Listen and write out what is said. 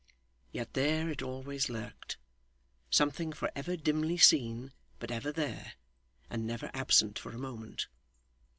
Yet there it always lurked something for ever dimly seen, but ever there, and never absent for a moment.